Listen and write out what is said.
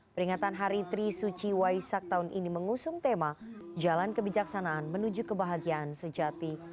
peringatan hari tri suci waisak tahun ini mengusung tema jalan kebijaksanaan menuju kebahagiaan sejati